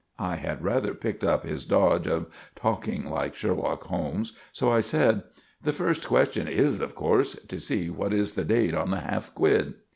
I had rather picked up his dodge of talking like Sherlock Holmes, so I said— "The first question is, of course, to see what is the date on the half quid."